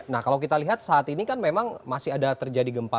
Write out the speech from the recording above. nah kalau kita lihat saat ini kan memang masih ada terjadi gempa